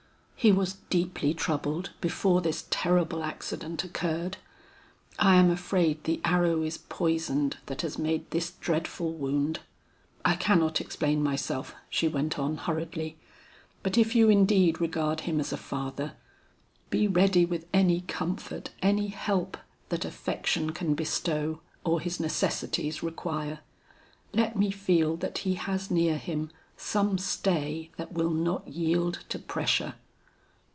"He was deeply troubled before this terrible accident occurred. I am afraid the arrow is poisoned that has made this dreadful wound. I cannot explain myself," she went on hurriedly, "but if you indeed regard him as a father, be ready with any comfort, any help, that affection can bestow, or his necessities require. Let me feel that he has near him some stay that will not yield to pressure."